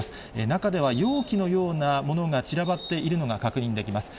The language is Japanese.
中では、容器のようなものが散らばっているのが確認できます。